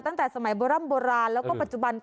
ตั้งแต่สมัยบ้ระแล้วก็ปัจจุบัน